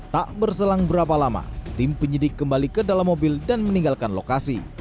tak berselang berapa lama tim penyidik kembali ke dalam mobil dan meninggalkan lokasi